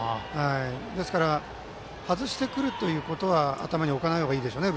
ですから外してくるということは頭に置かない方がいいですね。